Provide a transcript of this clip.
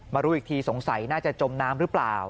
รู้อีกทีสงสัยน่าจะจมน้ำหรือเปล่า